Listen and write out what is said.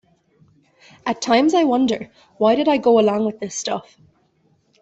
At times I wonder, why did I go along with this stuff?